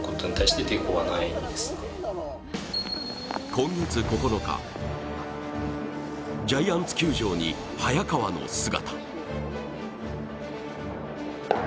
今月９日、ジャイアンツ球場に早川の姿。